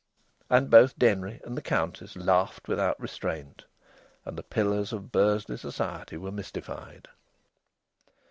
And both Denry and the Countess laughed without restraint, and the pillars of Bursley society were mystified.